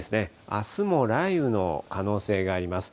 あすも雷雨の可能性があります。